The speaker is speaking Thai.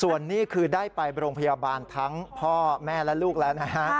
ส่วนนี้คือได้ไปโรงพยาบาลทั้งพ่อแม่และลูกแล้วนะฮะ